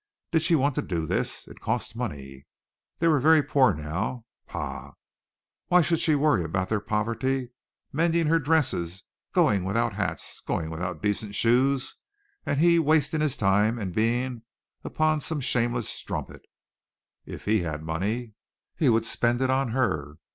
Did she want to do this? It cost money. They were very poor now. Paugh! Why should she worry about their poverty, mending her dresses, going without hats, going without decent shoes, and he wasting his time and being upon some shameless strumpet! If he had money, he would spend it on her.